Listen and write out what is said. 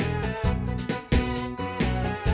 takut dari beliin juga